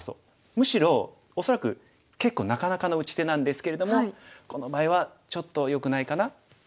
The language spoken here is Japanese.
むしろ恐らく結構なかなかの打ち手なんですけれどもこの場合はちょっとよくないかな。